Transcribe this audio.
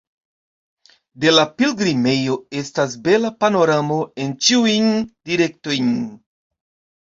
De la pilgrimejo estas bela panoramo en ĉiujn direktojn.